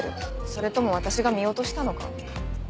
それとも私が見落としたのか？